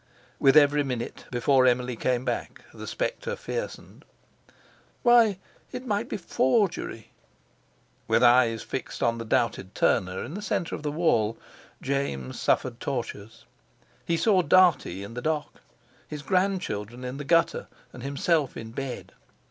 With every minute before Emily came back the spectre fiercened. Why, it might be forgery! With eyes fixed on the doubted Turner in the centre of the wall, James suffered tortures. He saw Dartie in the dock, his grandchildren in the gutter, and himself in bed.